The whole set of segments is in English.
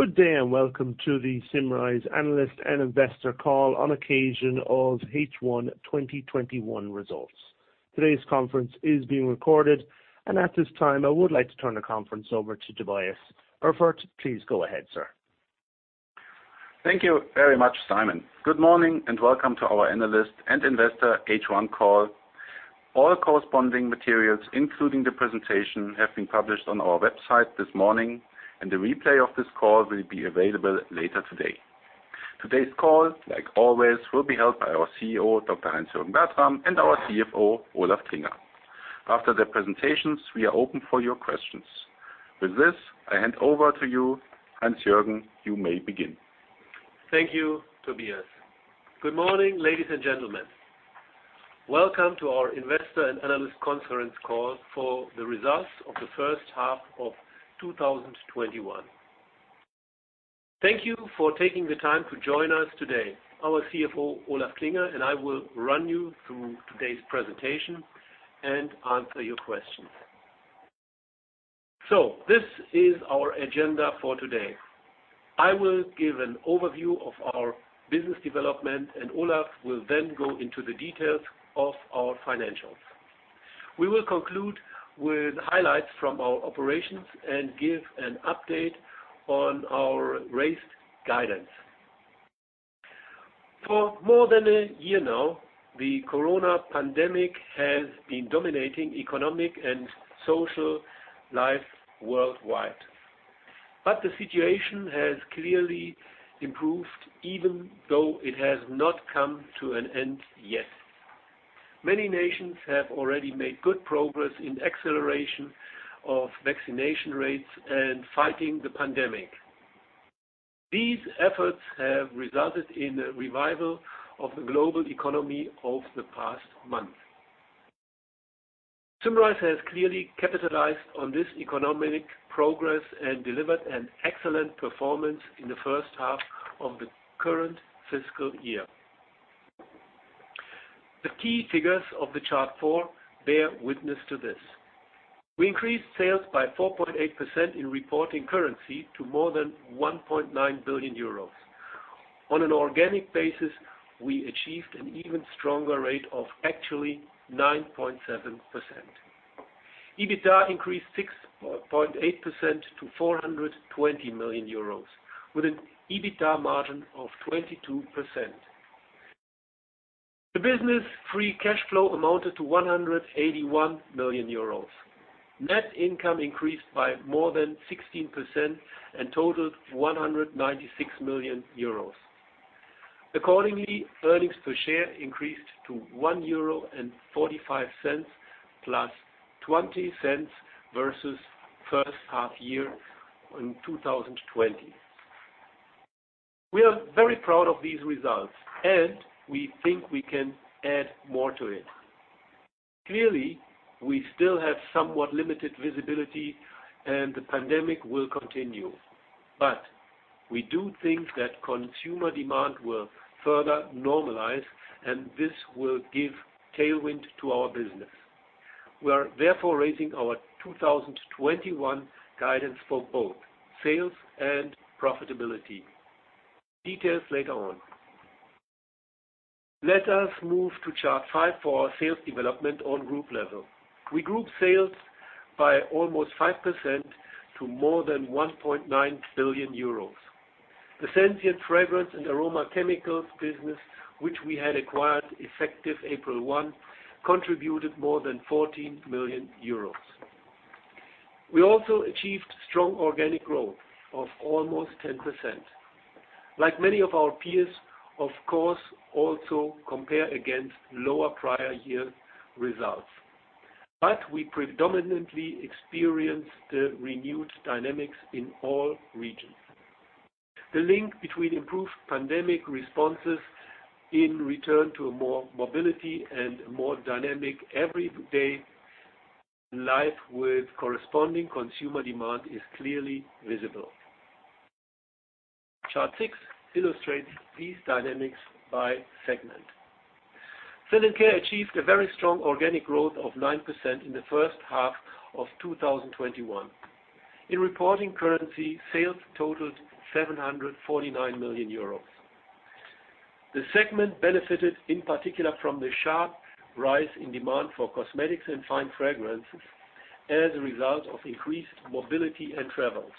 Good day, welcome to the Symrise analyst and investor call on occasion of H1 2021 results. Today's conference is being recorded, and at this time, I would like to turn the conference over to Tobias Erfurth. Please go ahead, sir. Thank you very much, Simon. Good morning and welcome to our analyst and investor H1 call. All corresponding materials, including the presentation, have been published on our website this morning, and the replay of this call will be available later today. Today's call, like always, will be held by our CEO, Dr. Heinz-Jürgen Bertram, and our CFO, Olaf Klinger. After their presentations, we are open for your questions. With this, I hand over to you, Heinz-Jürgen. You may begin. Thank you, Tobias. Good morning, ladies and gentlemen. Welcome to our investor and analyst conference call for the results of the first half of 2021. Thank you for taking the time to join us today. Our CFO, Olaf Klinger, and I will run you through today's presentation and answer your questions. This is our agenda for today. I will give an overview of our business development, and Olaf will then go into the details of our financials. We will conclude with highlights from our operations and give an update on our raised guidance. For more than a year now, the coronavirus pandemic has been dominating economic and social life worldwide. The situation has clearly improved, even though it has not come to an end yet. Many nations have already made good progress in acceleration of vaccination rates and fighting the pandemic. These efforts have resulted in a revival of the global economy over the past month. Symrise has clearly capitalized on this economic progress and delivered an excellent performance in the first half of the current fiscal year. The key figures of the Chart four bear witness to this. We increased sales by 4.8% in reported currency to more than 1.9 billion euros. On an organic basis, we achieved an even stronger rate of actually 9.7%. EBITDA increased 6.8% to 420 million euros with an EBITDA margin of 22%. The business free cash flow amounted to 181 million euros. Net income increased by more than 16% and totaled 196 million euros. Accordingly, earnings per share increased to 1.45 euro, +0.20 versus first half year in 2020. We are very proud of these results, and we think we can add more to it. Clearly, we still have somewhat limited visibility and the pandemic will continue. We do think that consumer demand will further normalize, and this will give tailwind to our business. We are therefore raising our 2021 guidance for both sales and profitability. Details later on. Let us move to Chart five for our sales development on group level. We grew sales by almost 5% to more than 1.9 billion euros. The Sensient Fragrance and Aroma Chemicals business, which we had acquired effective April 1, contributed more than 14 million euros. We also achieved strong organic growth of almost 10%. We, like many of our peers, of course, also compare against lower prior year results. We predominantly experienced the renewed dynamics in all regions. The link between improved pandemic responses in return to more mobility and more dynamic everyday life with corresponding consumer demand is clearly visible. Chart six illustrates these dynamics by segment. Health and Care achieved a very strong organic growth of 9% in the first half of 2021. In reported currency, sales totaled 749 million euros. The segment benefited in particular from the sharp rise in demand for cosmetics and fine fragrances as a result of increased mobility and travels.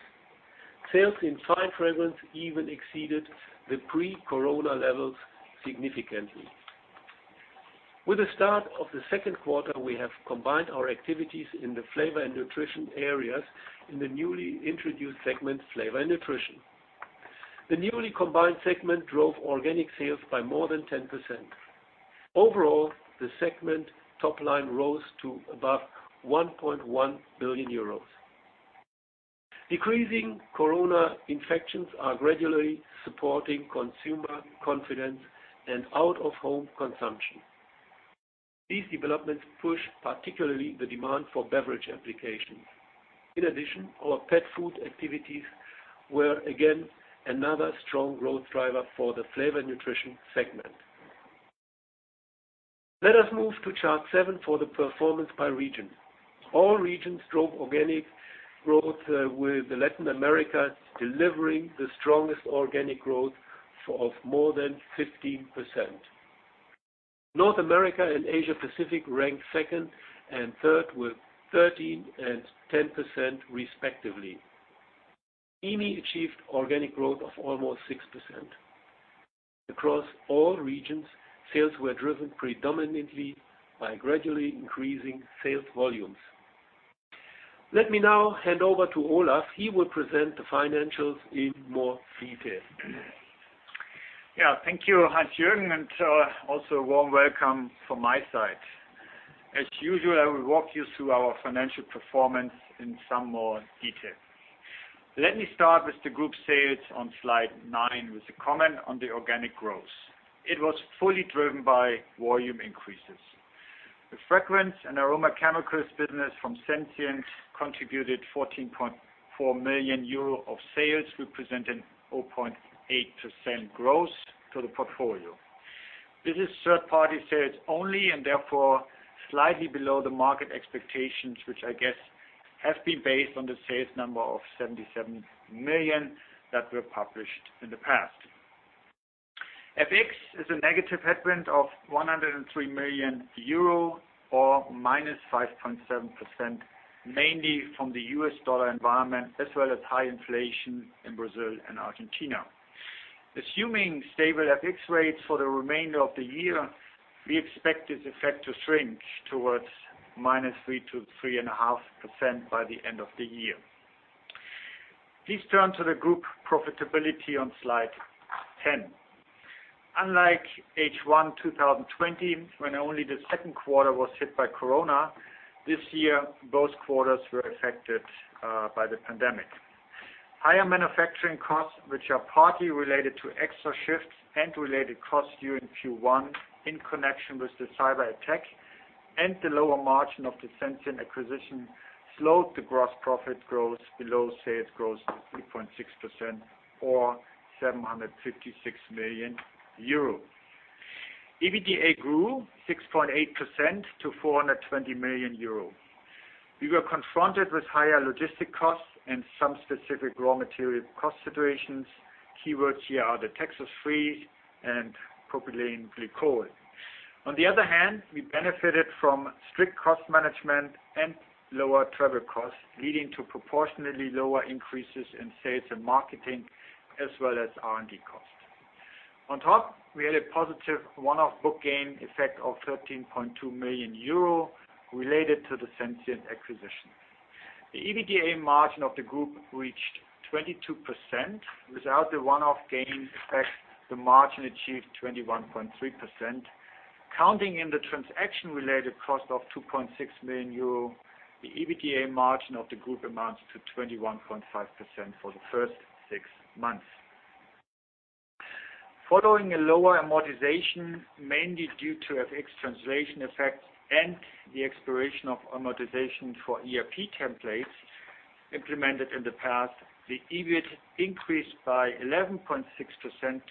Sales in fine fragrance even exceeded the pre-corona levels significantly. With the start of the second quarter, we have combined our activities in the flavor and nutrition areas in the newly introduced segment, Flavor & Nutrition. The newly combined segment drove organic sales by more than 10%. Overall, the segment top line rose to above 1.1 billion euros. Decreasing corona infections are gradually supporting consumer confidence and out-of-home consumption. These developments push particularly the demand for beverage applications. In addition, our pet food activities were again another strong growth driver for the Flavor & Nutrition segment. Let us move to chart seven for the performance by region. All regions drove organic growth with Latin America delivering the strongest organic growth of more than 15%. North America and Asia Pacific ranked second and third with 13% and 10%, respectively. EMEA achieved organic growth of almost 6%. Across all regions, sales were driven predominantly by gradually increasing sales volumes. Let me now hand over to Olaf. He will present the financials in more detail. Thank you, Heinz-Jürgen, and also a warm welcome from my side. As usual, I will walk you through our financial performance in some more detail. Let me start with the group sales on slide nine with a comment on the organic growth. It was fully driven by volume increases. The fragrance and aroma chemicals business from Sensient contributed 14.4 million euro of sales, representing 0.8% growth to the portfolio. This is third-party sales only and therefore slightly below the market expectations, which I guess have been based on the sales number of 77 million that were published in the past. FX is a negative headwind of 103 million euro, or -5.7%, mainly from the U.S. dollar environment, as well as high inflation in Brazil and Argentina. Assuming stable FX rates for the remainder of the year, we expect this effect to shrink towards -3% to 3.5% by the end of the year. Please turn to the group profitability on slide 10. Unlike H1 2020, when only the second quarter was hit by corona, this year both quarters were affected by the pandemic. Higher manufacturing costs, which are partly related to extra shifts and related costs during Q1 in connection with the cyber attack and the lower margin of the Sensient acquisition slowed the gross profit growth below sales growth to 3.6%, or 756 million euro. EBITDA grew 6.8% to 420 million euro. We were confronted with higher logistic costs and some specific raw material cost situations. Keywords here are the Texas freeze and propylene glycol. On the other hand, we benefited from strict cost management and lower travel costs, leading to proportionately lower increases in sales and marketing, as well as R&D costs. We had a positive one-off book gain effect of 13.2 million euro related to the Sensient acquisition. The EBITDA margin of the group reached 22%. Without the one-off gain effect, the margin achieved 21.3%, counting in the transaction-related cost of 2.6 million euro, the EBITDA margin of the group amounts to 21.5% for the first six months. Following a lower amortization, mainly due to FX translation effect and the expiration of amortization for ERP templates implemented in the past, the EBIT increased by 11.6%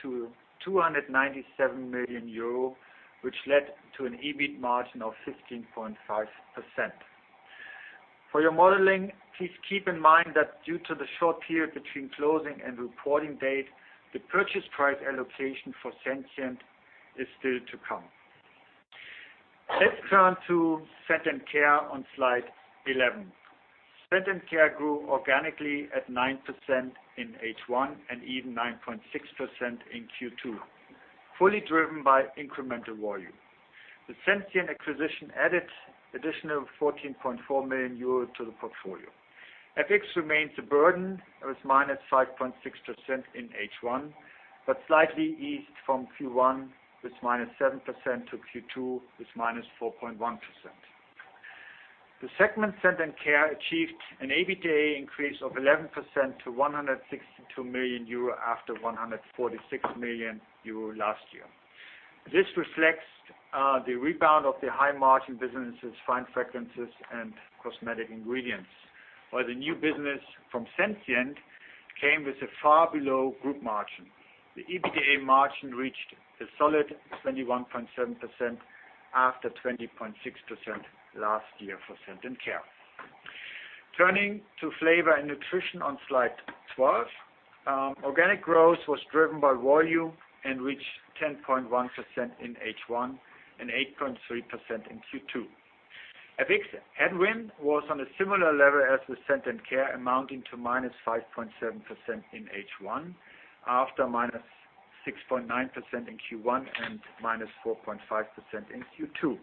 to 297 million euro, which led to an EBIT margin of 15.5%. For your modeling, please keep in mind that due to the short period between closing and reporting date, the purchase price allocation for Sensient is still to come. Let's turn to Scent & Care on slide 11. Scent & Care grew organically at 9% in H1 and even 9.6% in Q2, fully driven by incremental volume. The Sensient acquisition added additional 14.4 million euro to the portfolio. FX remains a burden. It was -5.6% in H1, slightly eased from Q1 with -7% to Q2 with -4.1%. The segment Scent & Care achieved an EBITDA increase of 11% to 162 million euro after 146 million euro last year. This reflects the rebound of the high-margin businesses, fine fragrances, and cosmetic ingredients. The new business from Sensient came with a far below-group margin. The EBITDA margin reached a solid 21.7% after 20.6% last year for Scent & Care. Turning to Flavor & Nutrition on Slide 12. Organic growth was driven by volume and reached 10.1% in H1 and 8.3% in Q2. FX headwind was on a similar level as the Scent & Care amounting to -5.7% in H1 after -6.9% in Q1 and -4.5% in Q2.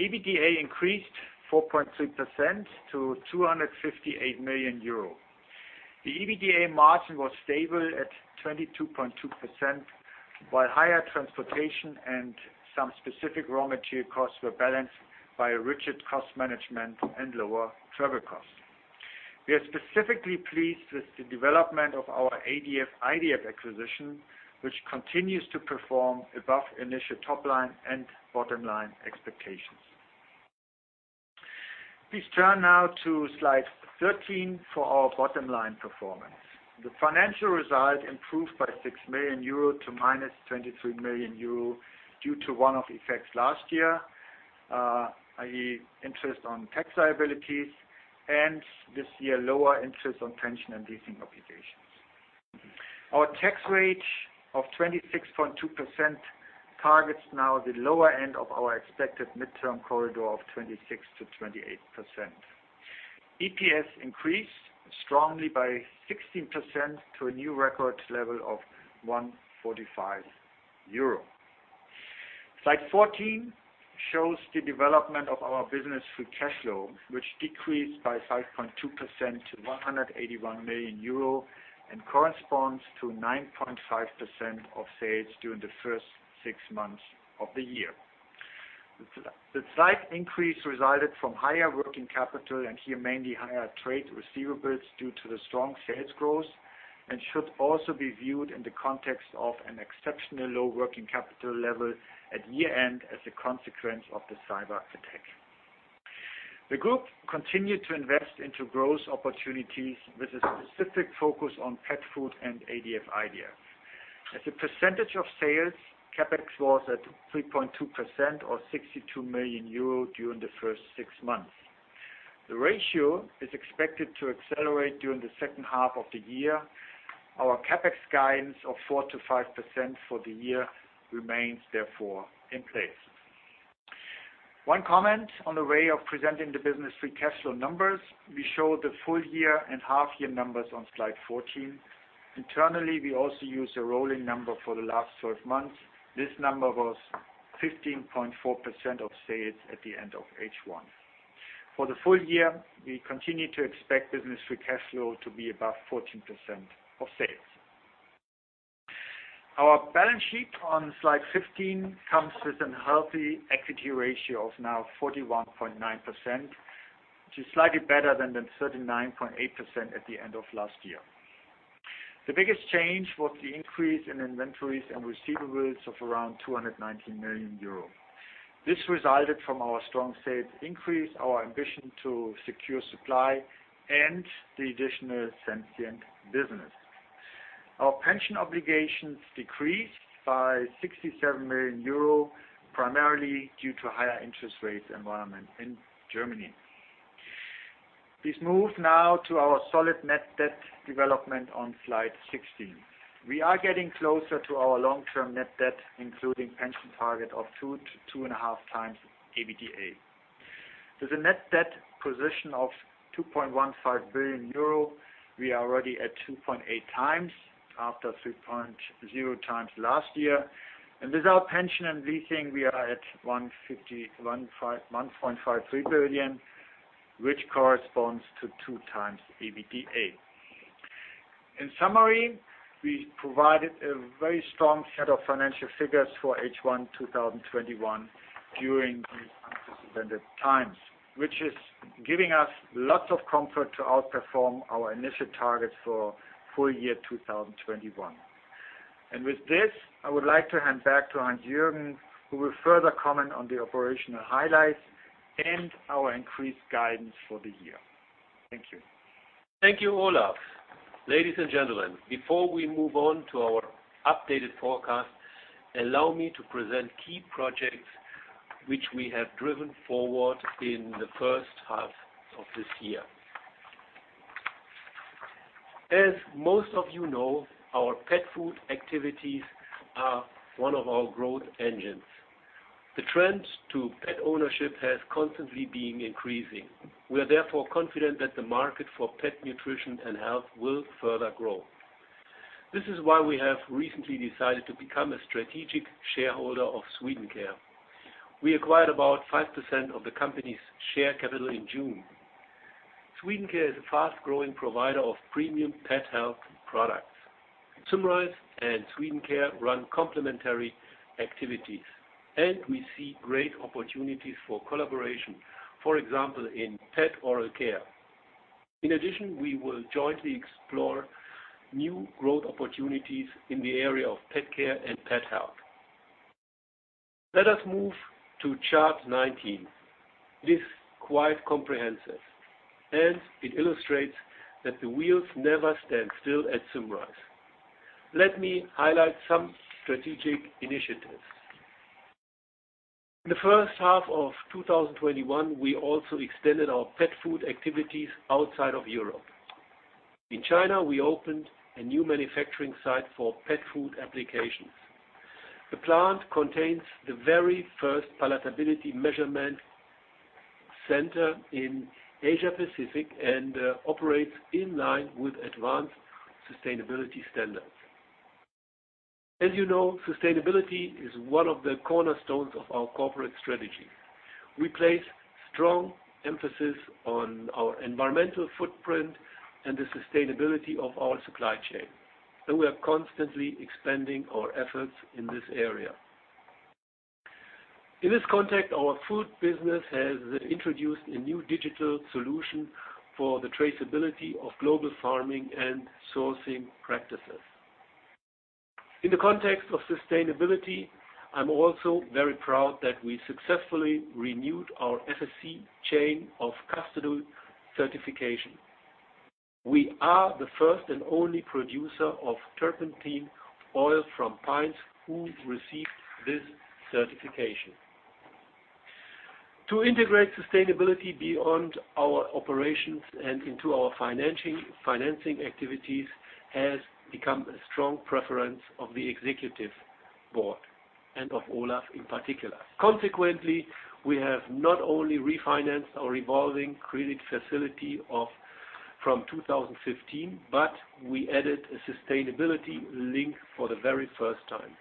EBITDA increased 4.6% to 258 million euro. The EBITDA margin was stable at 22.2%, while higher transportation and some specific raw material costs were balanced by a rigid cost management and lower travel costs. We are specifically pleased with the development of our ADF/IDF acquisition, which continues to perform above initial top-line and bottom-line expectations. Please turn now to Slide 13 for our bottom line performance. The financial result improved by 6 million euro to -23 million euro due to one-off effects last year, i.e., interest on tax liabilities, and this year, lower interest on pension and leasing obligations. Our tax rate of 26.2% targets now the lower end of our expected midterm corridor of 26%-28%. EPS increased strongly by 16% to a new record level of 145 euro. Slide 14 shows the development of our business free cash flow, which decreased by 5.2% to 181 million euro and corresponds to 9.5% of sales during the first six months of the year. The slight increase resulted from higher working capital, and here, mainly higher trade receivables due to the strong sales growth and should also be viewed in the context of an exceptionally low working capital level at year-end as a consequence of the cyber attack. The Group continued to invest into growth opportunities with a specific focus on pet food and ADF/IDF. As a percentage of sales, CapEx was at 3.2%, or 62 million euro during the first six months. The ratio is expected to accelerate during the second half of the year. Our CapEx guidance of 4%-5% for the year remains therefore in place. One comment on the way of presenting the business free cash flow numbers. We show the full year and half year numbers on Slide 14. Internally, we also use a rolling number for the last 12 months. This number was 15.4% of sales at the end of H1. For the full year, we continue to expect business free cash flow to be above 14% of sales. Our balance sheet on Slide 15 comes with an healthy equity ratio of now 41.9%, which is slightly better than the 39.8% at the end of last year. The biggest change was the increase in inventories and receivables of around 219 million euro. This resulted from our strong sales increase, our ambition to secure supply, and the additional Sensient business. Our pension obligations decreased by 67 million euro, primarily due to higher interest rates environment in Germany. Please move now to our solid net debt development on Slide 16. We are getting closer to our long-term net debt, including pension target of 2x to 2.5x EBITDA. With a net debt position of 2.15 billion euro, we are already at 2.8x after 3.0x last year. With our pension and leasing, we are at 1.53 billion, which corresponds to 2x EBITDA. In summary, we provided a very strong set of financial figures for H1 2021 during these unprecedented times, which is giving us lots of comfort to outperform our initial targets for full year 2021. With this, I would like to hand back to Heinz-Jürgen, who will further comment on the operational highlights and our increased guidance for the year. Thank you. Thank you, Olaf. Ladies and gentlemen, before we move on to our updated forecast, allow me to present key projects which we have driven forward in the first half of this year. As most of you know, our pet food activities are one of our growth engines. The trends to pet ownership has constantly been increasing. We are therefore confident that the market for pet nutrition and health will further grow. This is why we have recently decided to become a strategic shareholder of Swedencare. We acquired about 5% of the company's share capital in June. Swedencare is a fast-growing provider of premium pet health products. Symrise and Swedencare run complementary activities, and we see great opportunities for collaboration, for example, in pet oral care. In addition, we will jointly explore new growth opportunities in the area of pet care and pet health. Let us move to Chart 19. It is quite comprehensive, and it illustrates that the wheels never stand still at Symrise. Let me highlight some strategic initiatives. In the first half of 2021, we also extended our pet food activities outside of Europe. In China, we opened a new manufacturing site for pet food applications. The plant contains the very first palatability measurement center in Asia Pacific and operates in line with advanced sustainability standards. As you know, sustainability is one of the cornerstones of our corporate strategy. We place strong emphasis on our environmental footprint and the sustainability of our supply chain, and we are constantly expanding our efforts in this area. In this context, our food business has introduced a new digital solution for the traceability of global farming and sourcing practices. In the context of sustainability, I'm also very proud that we successfully renewed our FSC chain of custody certification. We are the first and only producer of turpentine oil from pines who received this certification. To integrate sustainability beyond our operations and into our financing activities has become a strong preference of the executive board and of Olaf in particular. Consequently, we have not only refinanced our revolving credit facility from 2015, but we added a sustainability link for the very first time.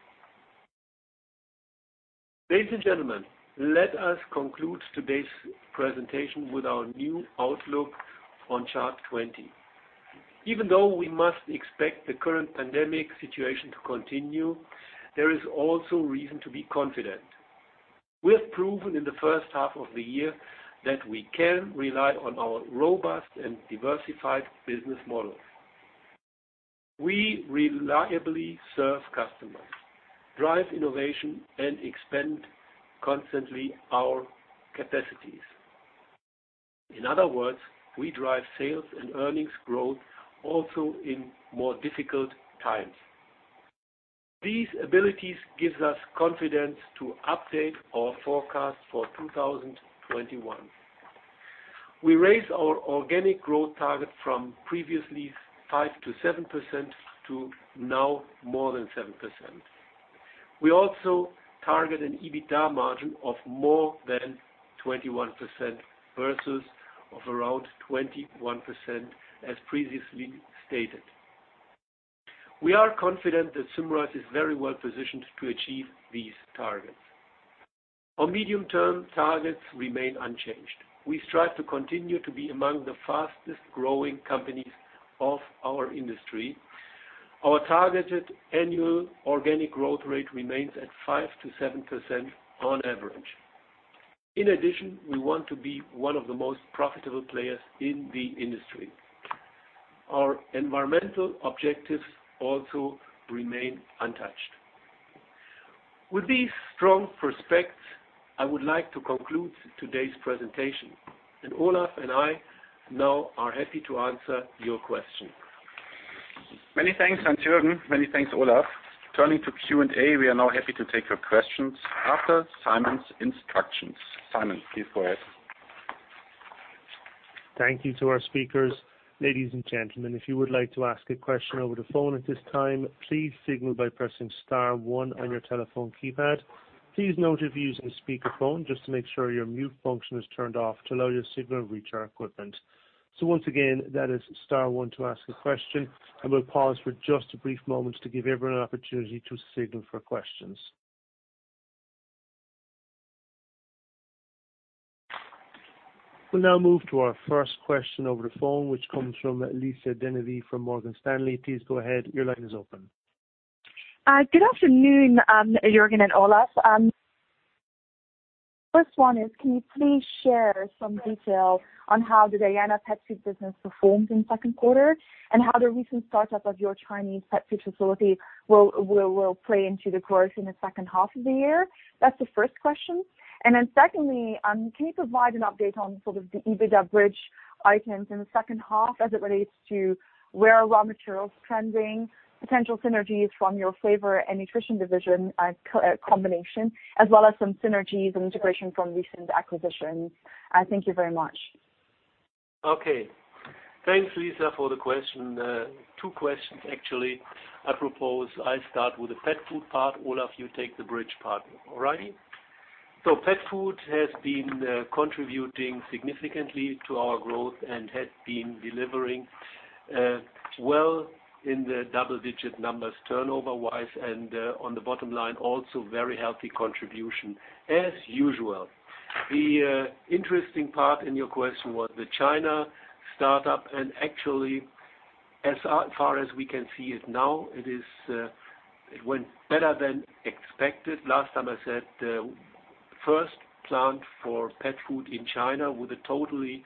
Ladies and gentlemen, let us conclude today's presentation with our new outlook on chart 20. Even though we must expect the current pandemic situation to continue, there is also reason to be confident. We have proven in the first half of the year that we can rely on our robust and diversified business model. We reliably serve customers, drive innovation, and expand constantly our capacities. In other words, we drive sales and earnings growth also in more difficult times. These abilities gives us confidence to update our forecast for 2021. We raised our organic growth target from previously 5%-7%, to now more than 7%. We also target an EBITDA margin of more than 21% versus of around 21% as previously stated. We are confident that Symrise is very well positioned to achieve these targets. Our medium-term targets remain unchanged. We strive to continue to be among the fastest-growing companies of our industry. Our targeted annual organic growth rate remains at 5%-7% on average. In addition, we want to be one of the most profitable players in the industry. Our environmental objectives also remain untouched. With these strong prospects, I would like to conclude today's presentation, and Olaf and I now are happy to answer your questions. Many thanks, Heinz-Jürgen Bertram. Many thanks, Olaf Klinger. Turning to Q&A, we are now happy to take your questions after Simon's instructions. Simon, please go ahead. Thank you to our speakers. Ladies and gentlemen, if you would like to ask a question over the phone at this time, please signal by pressing star one on your telephone keypad. Please note if you're using a speakerphone, just to make sure your mute function is turned off to allow your signal to reach our equipment. Once again, that is star one to ask a question, and we'll pause for just a brief moment to give everyone an opportunity to signal for questions. We'll now move to our first question over the phone, which comes from Lisa De Neve from Morgan Stanley. Please go ahead. Your line is open. Good afternoon, Juergen and Olaf. First one is, can you please share some detail on how the Diana Pet Food business performed in the second quarter, and how the recent startup of your Chinese pet food facility will play into the growth in the second half of the year? That's the first question. Secondly, can you provide an update on sort of the EBITDA bridge items in the second half as it relates to where are raw materials trending, potential synergies from your Flavor & Nutrition division combination, as well as some synergies and integration from recent acquisitions? Thank you very much. Okay. Thanks, Lisa, for the question. Two questions, actually. I propose I start with the pet food part. Olaf, you take the bridge part. All righty? Pet food has been contributing significantly to our growth and has been delivering well in the double-digit numbers turnover-wise and on the bottom line, also very healthy contribution as usual. The interesting part in your question was the China startup, and actually, as far as we can see it now, it went better than expected. Last time I said the first plant for pet food in China with a totally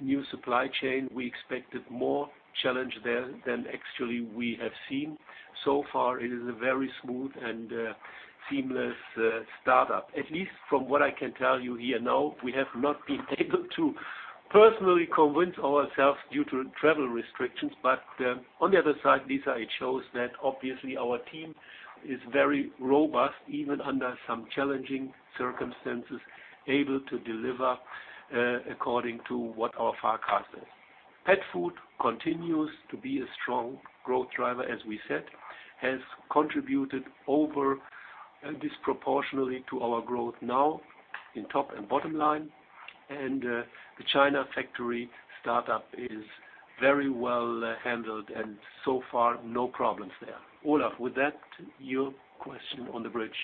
new supply chain, we expected more challenge there than actually we have seen. So far, it is a very smooth and seamless startup. At least from what I can tell you here now, we have not been able to personally convince ourselves due to travel restrictions. On the other side, Lisa, it shows that obviously our team is very robust, even under some challenging circumstances, able to deliver according to what our forecast is. Pet food continues to be a strong growth driver, as we said. It has contributed over disproportionately to our growth now in top and bottom line, and the China factory startup is very well handled and so far, no problems there. Olaf, with that, your question on the bridge.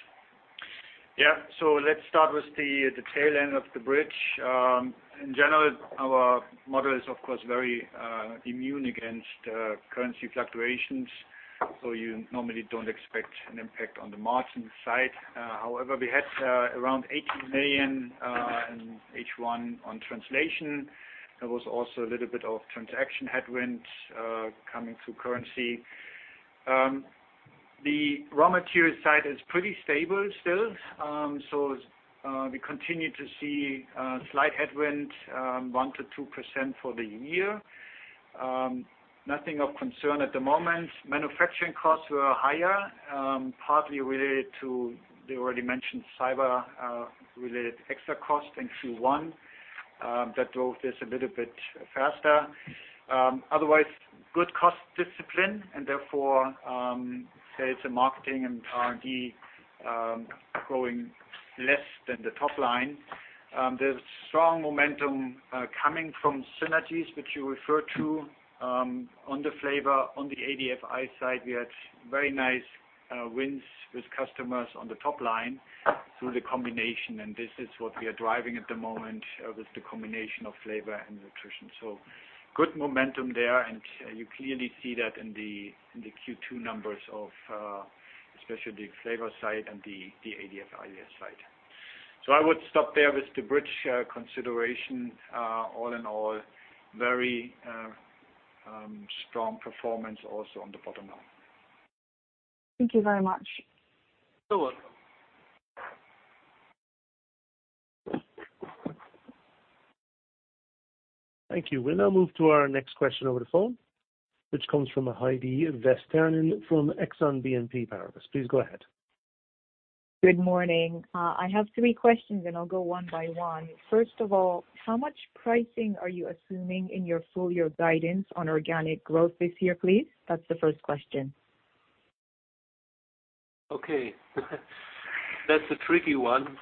Yeah. Let's start with the tail end of the bridge. In general, our model is, of course, very immune against currency fluctuations. You normally don't expect an impact on the margin side. However, we had around 18 million in H1 on translation. There was also a little bit of transaction headwind coming through currency. The raw material side is pretty stable still. We continue to see a slight headwind, 1% to 2% for the year. Nothing of concern at the moment. Manufacturing costs were higher, partly related to the already mentioned cyber-related extra cost in Q1 that drove this a little bit faster. Good cost discipline and therefore, sales and marketing and R&D growing less than the top line. There's strong momentum coming from synergies, which you refer to on the flavor, on the ADF/IDF side, we had very nice wins with customers on the top line through the combination, and this is what we are driving at the moment with the combination of Flavor & Nutrition. Good momentum there, and you clearly see that in the Q2 numbers of especially the flavor side and the ADF/IDF side. I would stop there with the bridge consideration. All in all, very strong performance also on the bottom line. Thank you very much. You're welcome. Thank you. We will now move to our next question over the phone, which comes from Heidi Vesterinen from Exane BNP Paribas. Please go ahead. Good morning. I have three questions, and I'll go one by one. First of all, how much pricing are you assuming in your full-year guidance on organic growth this year, please? That's the first question. Okay. That's a tricky one.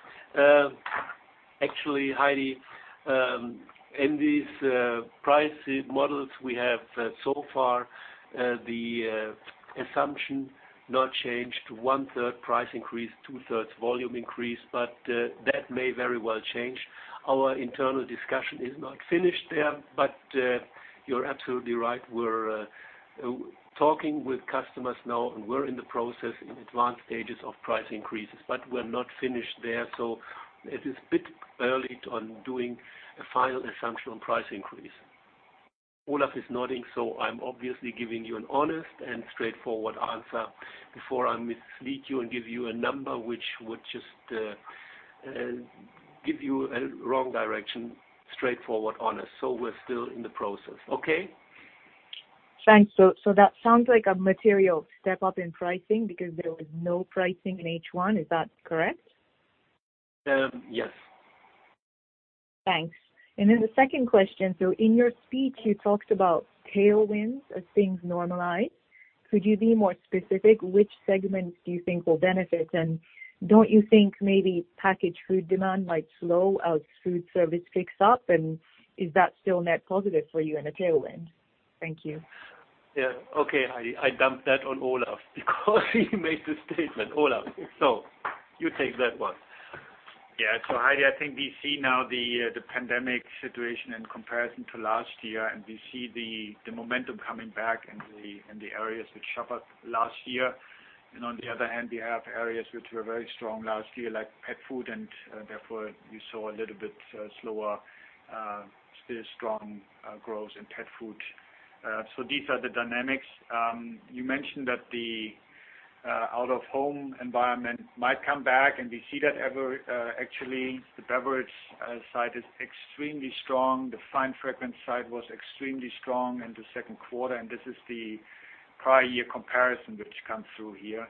Actually, Heidi Vesterinen, in these pricing models we have so far, the assumption, not changed, 1/3 price increase, 2/3 volume increase, but that may very well change. Our internal discussion is not finished there, but you're absolutely right. We're talking with customers now, and we're in the process in advanced stages of price increases, but we're not finished there, so it is a bit early on doing a final assumption on price increase. Olaf Klinger is nodding, so I'm obviously giving you an honest and straightforward answer before I mislead you and give you a number which would just give you a wrong direction. Straightforward, honest. We're still in the process, okay? Thanks. That sounds like a material step-up in pricing because there was no pricing in H1. Is that correct? Yes. Thanks. The second question, in your speech, you talked about tailwinds as things normalize. Could you be more specific which segments do you think will benefit? Don't you think maybe packaged food demand might slow as food service picks up? Is that still net positive for you and a tailwind? Thank you. Yeah. Okay, Heidi, I dump that on Olaf because he made the statement. Olaf. You take that one. Yeah. Heidi, I think we see now the pandemic situation in comparison to last year, and we see the momentum coming back in the areas which suffered last year. On the other hand, we have areas which were very strong last year, like pet food, and therefore, we saw a little bit slower, still strong growth in pet food. These are the dynamics. You mentioned that the out-of-home environment might come back, and we see that actually, the beverage side is extremely strong. The fine fragrance side was extremely strong in the second quarter, and this is the prior year comparison which comes through here.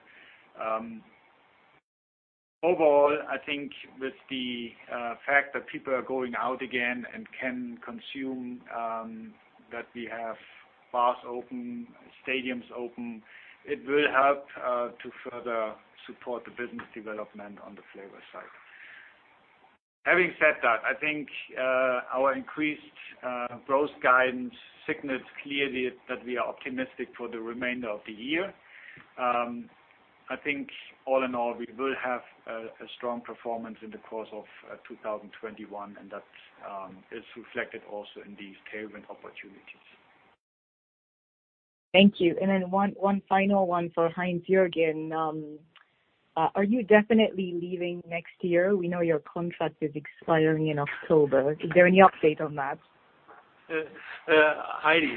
Overall, I think with the fact that people are going out again and can consume, that we have bars open, stadiums open, it will help to further support the business development on the flavor side. Having said that, I think our increased growth guidance signals clearly that we are optimistic for the remainder of the year. I think all in all, we will have a strong performance in the course of 2021, and that is reflected also in these tailwind opportunities. Thank you. Then one final one for Heinz-Jürgen. Are you definitely leaving next year? We know your contract is expiring in October. Is there any update on that? Heidi,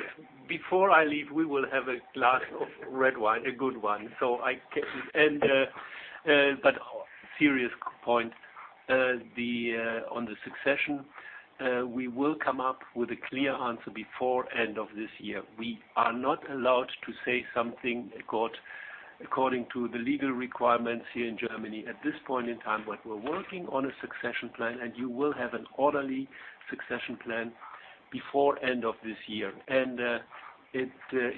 before I leave, we will have a glass of red wine, a good one. Serious point, on the succession we will come up with a clear answer before end of this year. We are not allowed to say something according to the legal requirements here in Germany at this point in time, but we're working on a succession plan, and you will have an orderly succession plan before end of this year. It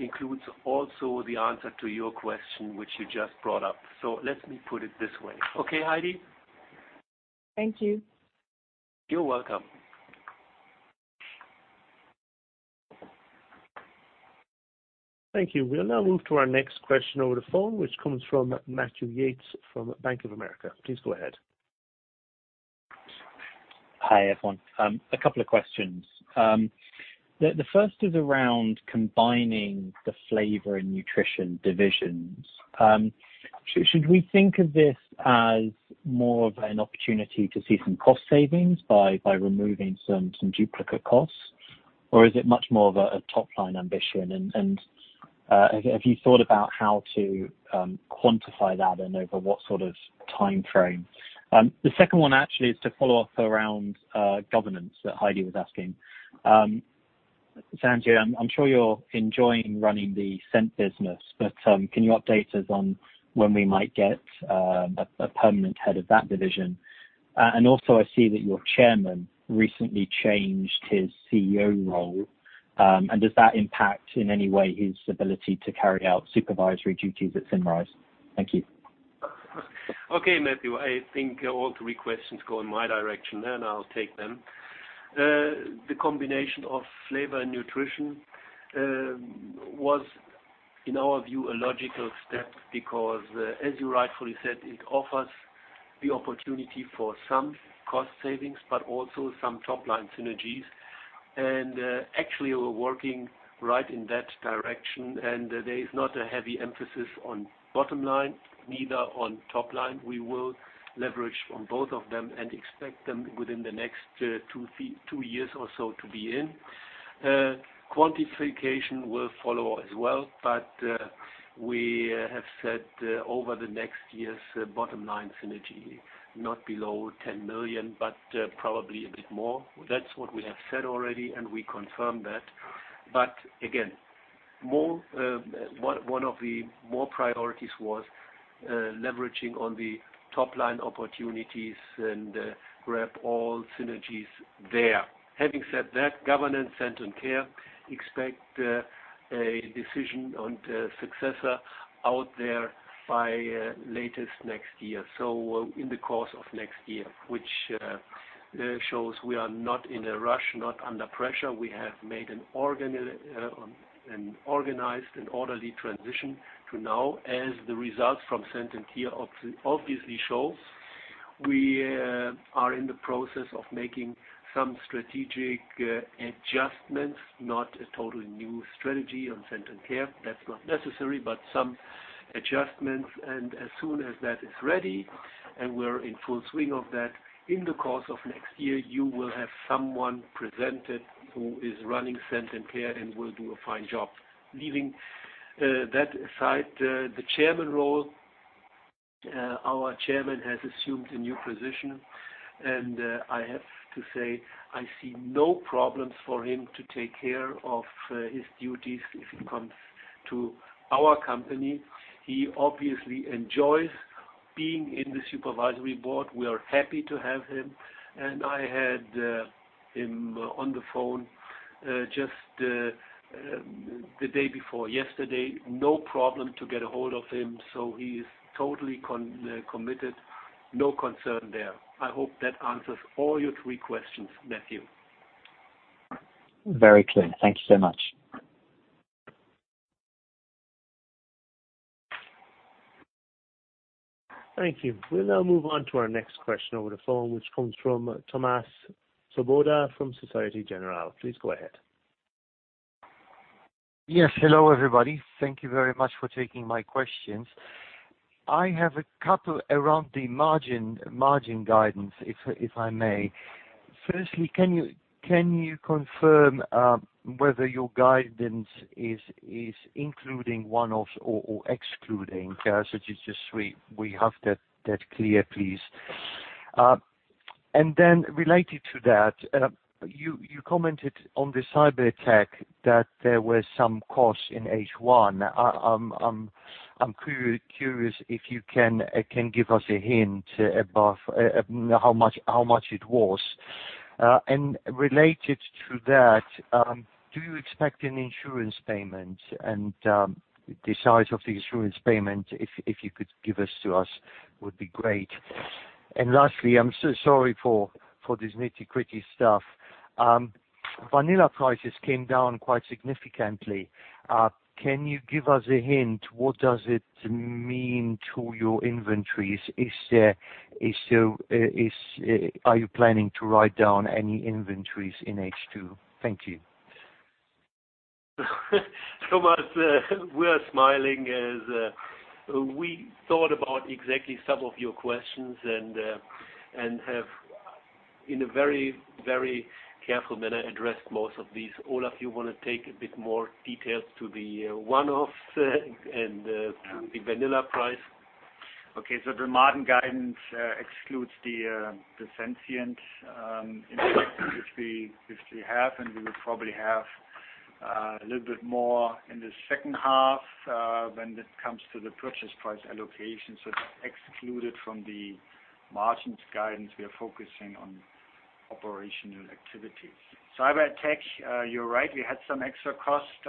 includes also the answer to your question, which you just brought up. Let me put it this way. Okay, Heidi? Thank you. You're welcome. Thank you. We will now move to our next question over the phone, which comes from Matthew Yates from Bank of America. Please go ahead. Hi, everyone. A couple of questions. The first is around combining the Flavor & Nutrition divisions. Should we think of this as more of an opportunity to see some cost savings by removing some duplicate costs? Or is it much more of a top-line ambition? Have you thought about how to quantify that and over what sort of time frame? The second one actually is to follow up around governance that Heidi was asking. Heinz-Jürgen, I'm sure you're enjoying running the Scent & Care business, but can you update us on when we might get a permanent head of that division? Also I see that your chairman recently changed his CEO role. Does that impact in any way his ability to carry out supervisory duties at Symrise? Thank you. Okay, Matthew, I think all three questions go in my direction, then I'll take them. The combination of Flavor & Nutrition was, in our view, a logical step because, as you rightfully said, it offers the opportunity for some cost savings, but also some top-line synergies. Actually, we're working right in that direction, and there is not a heavy emphasis on bottom line, neither on top line. We will leverage on both of them and expect them within the next two years or so to be in. Quantification will follow as well, but we have said over the next years, bottom line synergy not below 10 million, but probably a bit more. That's what we have said already, and we confirm that. Again, one of the more priorities was leveraging on the top-line opportunities and grab all synergies there. Having said that, governance Scent & Care, expect a decision on the successor out there by latest next year. In the course of next year. Which shows we are not in a rush, not under pressure. We have made an organized and orderly transition to now as the results from Scent & Care obviously shows. We are in the process of making some strategic adjustments, not a totally new strategy on Scent & Care. That's not necessary, but some adjustments. As soon as that is ready, and we're in full swing of that, in the course of next year, you will have someone presented who is running Scent & Care and will do a fine job. Leaving that aside, the chairman role, our chairman has assumed a new position, and I have to say I see no problems for him to take care of his duties if it comes to our company. He obviously enjoys being in the supervisory board. We are happy to have him. I had him on the phone just the day before yesterday. No problem to get ahold of him. He is totally committed. No concern there. I hope that answers all your three questions, Matthew Yates. Very clear. Thank you so much. Thank you. We'll now move on to our next question over the phone, which comes from Thomas Doherty from Societe Generale. Please go ahead. Yes. Hello, everybody. Thank you very much for taking my questions. I have a couple around the margin guidance, if I may. Firstly, can you confirm whether your guidance is including one-offs or excluding? It is just so we have that clear, please. Related to that, you commented on the cyberattack that there were some costs in H1. I'm curious if you can give us a hint above how much it was. Related to that, do you expect an insurance payment and the size of the insurance payment, if you could give this to us, would be great. Lastly, I'm so sorry for this nitty-gritty stuff. Vanilla prices came down quite significantly. Can you give us a hint, what does it mean to your inventories? Are you planning to write down any inventories in H2? Thank you. Thomas, we are smiling as we thought about exactly some of your questions and have in a very careful manner addressed most of these. Olaf, you want to take a bit more details to the one-offs and the vanilla price? The margin guidance excludes the Sensient impact, which we have, and we will probably have a little bit more in the second half when it comes to the purchase price allocation. That's excluded from the margins guidance. We are focusing on operational activities. Cyberattack, you're right, we had some extra cost,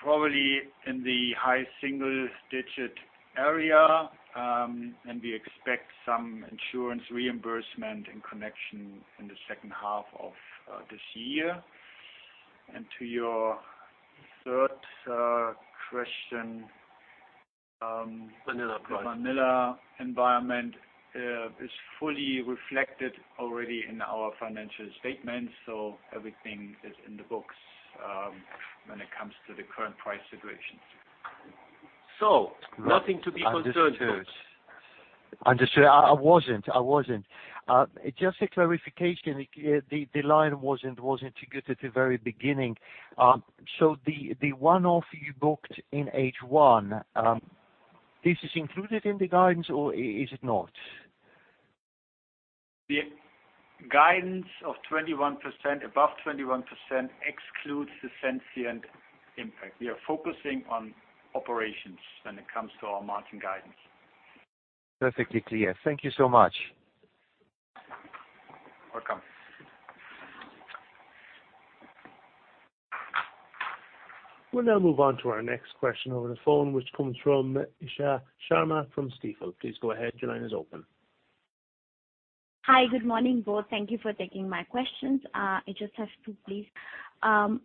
probably in the high single-digit area. We expect some insurance reimbursement in connection in the second half of this year. To your third question. Vanilla price The vanilla environment is fully reflected already in our financial statements. Everything is in the books when it comes to the current price situations. Nothing to be concerned about. Understood. I wasn't. Just a clarification, the line wasn't too good at the very beginning. The one-off you booked in H1, this is included in the guidance or is it not? The guidance of above 21% excludes the Sensient impact. We are focusing on operations when it comes to our margin guidance. Perfectly clear. Thank you so much. Welcome. We'll now move on to our next question over the phone, which comes from Isha Sharma from Stifel. Please go ahead. Your line is open. Hi. Good morning, both. Thank you for taking my questions. I just have two, please.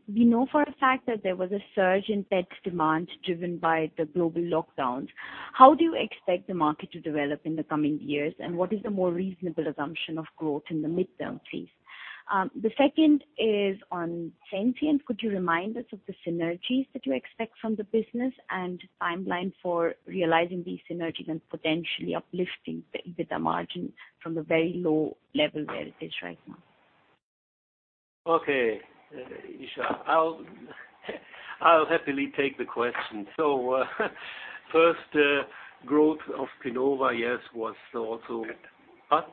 We know for a fact that there was a surge in pet demand driven by the global lockdowns. How do you expect the market to develop in the coming years, and what is the more reasonable assumption of growth in the midterm, please? The second is on Sensient. Could you remind us of the synergies that you expect from the business and timeline for realizing these synergies and potentially uplifting the EBITDA margin from the very low level where it is right now? Okay. Isha, I'll happily take the question. First, growth of Pinova, yes. Pet. Pardon?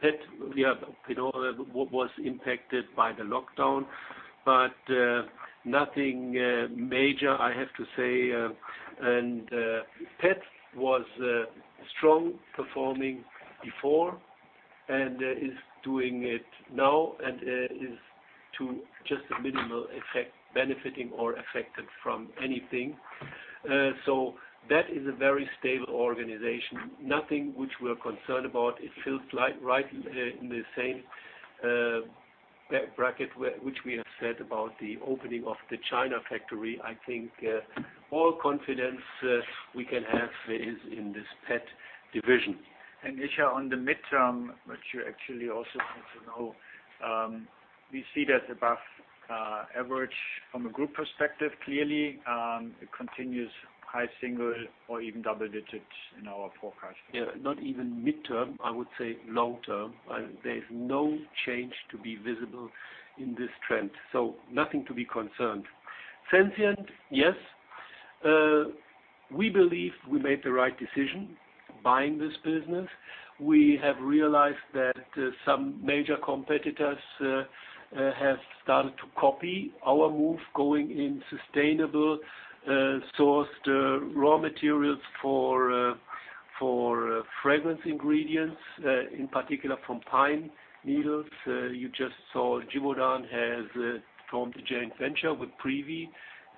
Pet. Pet. Pinova was impacted by the lockdown, but nothing major, I have to say. Pet was strong performing before and is doing it now and is to just a minimal effect benefiting or affected from anything. That is a very stable organization. Nothing which we're concerned about. It feels like right in the same bracket, which we have said about the opening of the China factory. I think all confidence we can have is in this Pet division. Isha, on the midterm, which you actually also need to know, we see that above average from a group perspective, clearly. It continues high single or even double digits in our forecast. Yeah. Not even midterm, I would say long term. There's no change to be visible in this trend. Nothing to be concerned. Sensient, yes. We believe we made the right decision buying this business. We have realized that some major competitors have started to copy our move, going in sustainable sourced raw materials for fragrance ingredients, in particular from pine needles. You just saw Givaudan has formed a joint venture with Privi.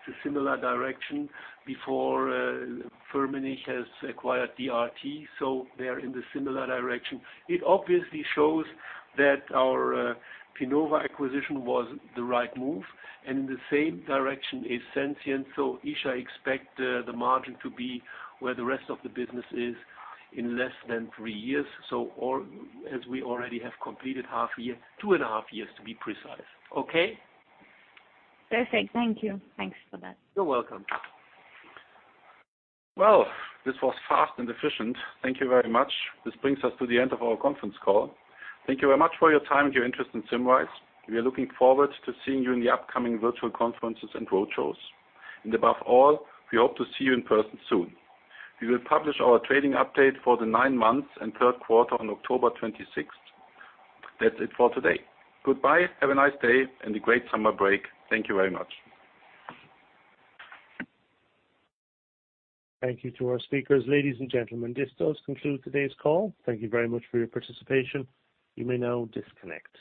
It's a similar direction. Before, Firmenich has acquired DRT, so they're in the similar direction. It obviously shows that our Pinova acquisition was the right move, and in the same direction is Sensient. Isha, expect the margin to be where the rest of the business is in less than three years. As we already have completed half year, two and a half years to be precise. Okay? Perfect. Thank you. Thanks for that. You're welcome. Well, this was fast and efficient. Thank you very much. This brings us to the end of our conference call. Thank you very much for your time and your interest in Symrise. We are looking forward to seeing you in the upcoming virtual conferences and roadshows. Above all, we hope to see you in person soon. We will publish our trading update for the nine months and third quarter on October 26th. That's it for today. Goodbye. Have a nice day and a great summer break. Thank you very much. Thank you to our speakers. Ladies and gentlemen, this does conclude today's call. Thank you very much for your participation. You may now disconnect.